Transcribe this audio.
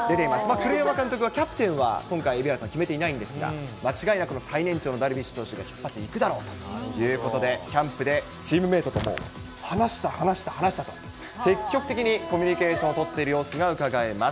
栗山監督はキャプテンは今回、蛯原さん、決めていないんですが、間違いなく最年長のダルビッシュ投手が引っ張っていくだろうということで、キャンプでチームメートとも話した、話した、話したと、積極的にコミュニケーションを取っている様子がうかがえます。